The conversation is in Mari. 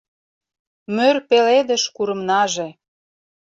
Мӧр пеледыш курымнаже